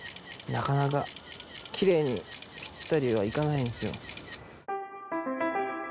なかなかきれいにぴったりはいかないんすよ